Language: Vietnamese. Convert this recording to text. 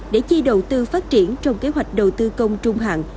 để chi đầu tư phát triển trong kế hoạch đầu tư công trung hạn